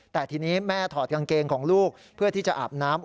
แต่ทีนี้แม่ถอดกางเกงของลูกเพื่อที่จะอาบน้ำ